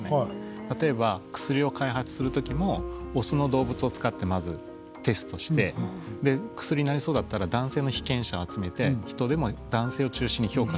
例えば薬を開発する時もオスの動物を使ってまずテストして薬になりそうだったら男性の被験者を集めて人でも男性を中心に評価されてきたんですよ。